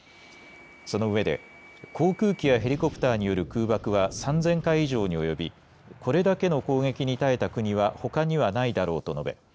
そのうえで航空機やヘリコプターによる空爆は３０００回以上に及び、これだけの攻撃に耐えた国はほかにはないだろうと述べ